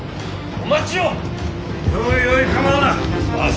お待ちを。